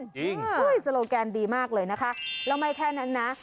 จริงโซโลแกนดีมากเลยนะคะแล้วไม่แค่นั้นนะ